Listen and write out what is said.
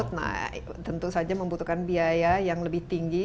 nah tentu saja membutuhkan biaya yang lebih tinggi